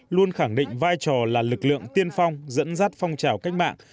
luôn khẳng định vai trò là lực lượng tiên phong dẫn dắt phong trào cách mạng